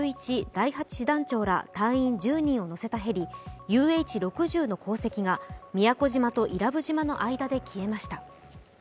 第８師団長ら隊員１０人を乗せたヘリＵＨ−６０の航跡が宮古島と伊良部島の間で消えました。